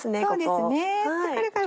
そうですね。